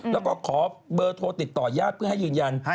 แล้วก็ขอเบอร์โทรติดต่อญาติเพื่อให้ยืนยัน